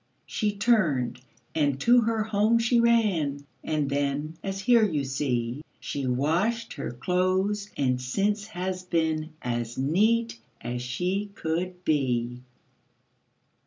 She turned, and to her home she ran, And then, as here you see, She washed her clothes, and since has been As neat as she could be.